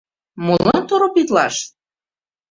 Молан торопитлаш?!